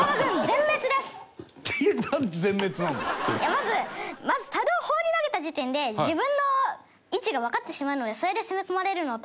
まずまず樽を放り投げた時点で自分の位置がわかってしまうのでそれで攻め込まれるのと。